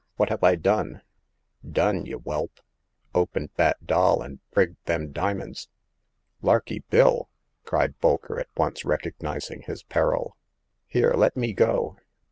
What have I done ?"Done, y' whelp ! Opened that doll an' prigged them dimins !"Larky Bill !" cried Bolker, at once recogniz ing his peril. Here, let me go